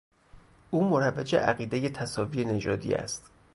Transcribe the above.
او مروج عقیدهی تساوی نژادی است.